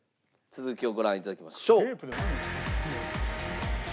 続きをご覧頂きましょう。